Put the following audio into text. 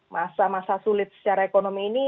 masa masa sulit secara ekonomi ini